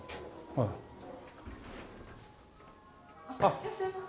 いらっしゃいませ。